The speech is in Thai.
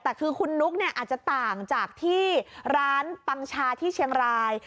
แต่คือคุณนุ๊กเนี่ยอาจจะต่างจากที่ร้านปังชาที่เชียงราย